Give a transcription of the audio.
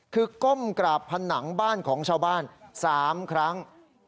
คือก้มกราบผนังบ้านของชาวบ้าน๓ครั้ง